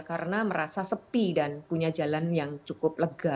karena merasa sepi dan punya jalan yang cukup lega